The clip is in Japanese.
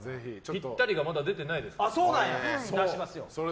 ぴったりがまだ出てないですから。